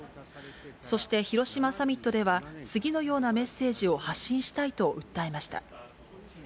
そして広島サミットでは、次のようなメッセージを発信したいと訴えました。